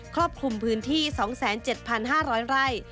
รอบคลุมพื้นที่๒๗๕๐๐ไร่